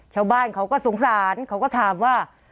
ชาวบ้านเขาก็สงสารเขาก็ถามว่า